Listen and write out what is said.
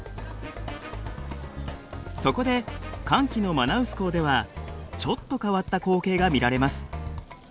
そこで乾季のマナウス港ではちょっと変わった光景が見られます。